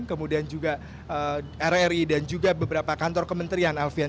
kemudian juga rri dan juga beberapa kantor kementerian alfian